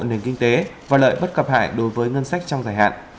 nền kinh tế và lợi bất cập hại đối với ngân sách trong dài hạn